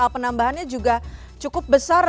penambahannya juga cukup besar